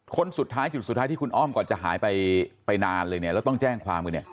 คนสุดท้ายจุดสุดท้ายที่คุณอ้อมก่อนจะหายไปนานเลยเนี่ยแล้วต้องแจ้งความกันเนี่ย